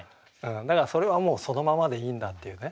だからそれはそのままでいいんだっていうね。